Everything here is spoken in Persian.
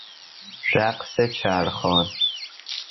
رقص چرخان